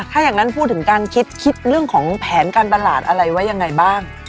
ถ้าอย่างนั้นพูดถึงการคิดคิดเรื่องของแผนการตลาดอะไรไว้ยังไงบ้าง